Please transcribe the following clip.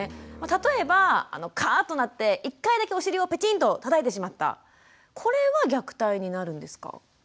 例えばカーッとなって１回だけお尻をペチンとたたいてしまったこれは虐待になるんですか？